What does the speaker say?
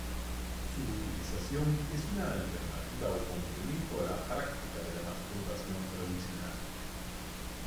Su utilización es una alternativa o complemento a la práctica de la masturbación tradicional.